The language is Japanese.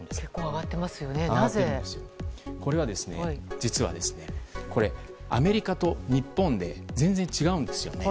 実はアメリカと日本で全然違うんですよね。